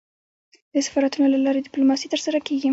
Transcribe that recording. د سفارتونو له لاري ډيپلوماسي ترسره کېږي.